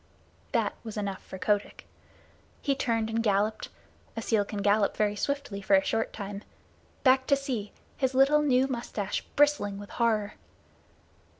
That was enough for Kotick. He turned and galloped (a seal can gallop very swiftly for a short time) back to the sea; his little new mustache bristling with horror.